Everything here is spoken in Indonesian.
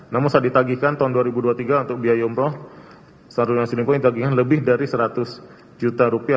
namun saya ditagihkan tahun dua ribu dua puluh tiga untuk biaya umroh sang dulu yasi lipo yang ditagihkan lebih dari rp seratus juta